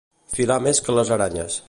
Filar més que les aranyes.